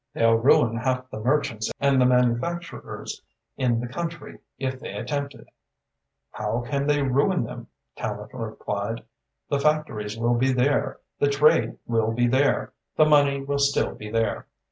"They'll ruin half the merchants and the manufacturers in the country if they attempt it." "How can they ruin them?" Tallente replied. "The factories will be there, the trade will be there, the money will still be there.